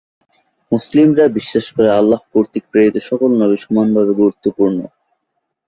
মুসলিমরা বিশ্বাস করে আল্লাহ কর্তৃক প্রেরিত সকল নবি সমানভাবে গুরুত্বপূর্ণ।